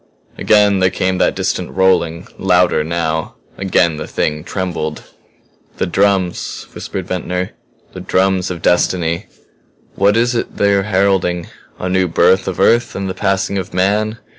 Again there came that distant rolling louder, now. Again the Thing trembled. "The drums," whispered Ventnor. "The drums of destiny. What is it they are heralding? A new birth of Earth and the passing of man?